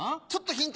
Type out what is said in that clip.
ヒント？